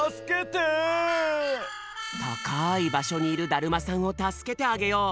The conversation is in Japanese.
たかいばしょにいるだるまさんを助けてあげよう。